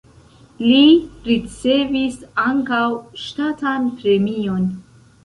Li ricevis ankaŭ ŝtatan premion.